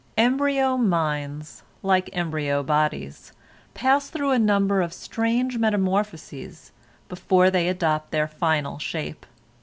Embryo minds, like embryo bodies, pass through a number of strange metamorphoses before they adopt their final shape.